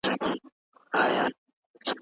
پاچا به هر سهار په باغ کې چکر واهه.